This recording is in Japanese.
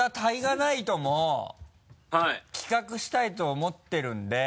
ナイトも企画したいと思ってるんで。